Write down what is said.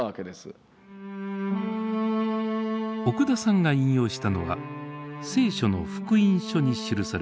奥田さんが引用したのは聖書の福音書に記された奇跡の物語です。